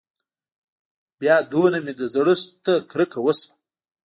بيا دونه مې د زړښت نه کرکه وشوه.